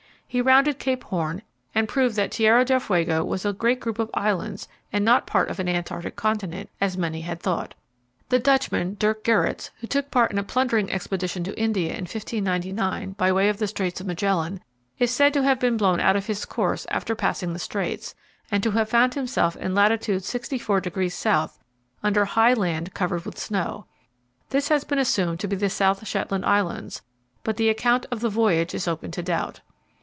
He rounded Cape Horn and proved that Tierra del Fuego was a great group of islands and not part of an Antarctic continent, as many had thought. The Dutchman, Dirk Gerritsz, who took part in a plundering expedition to India in 1599 by way of the Straits of Magellan, is said to have been blown out of his course after passing the straits, and to have found himself in lat. 64° S. under high land covered with snow. This has been assumed to be the South Shetland Islands, but the account of the voyage is open to doubt.